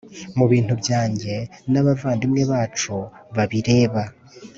Mu Bintu Byanjye N Aba Bavandimwe Bacu Babireba